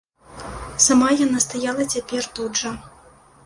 Сама яна стаяла цяпер тут жа.